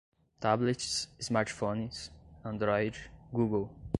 tablets, smartphones, android, google